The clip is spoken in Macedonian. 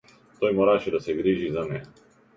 Тој мораше да се грижи за неа.